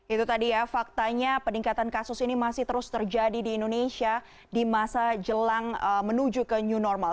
itu tadi ya faktanya peningkatan kasus ini masih terus terjadi di indonesia di masa jelang menuju ke new normal